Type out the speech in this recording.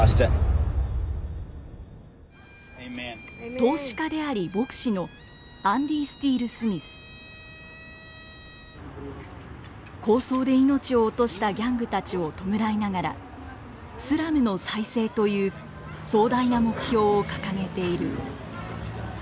投資家であり牧師の抗争で命を落としたギャングたちを弔いながらスラムの再生という壮大な目標を掲げている。